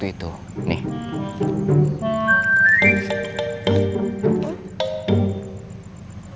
suatu hari kedua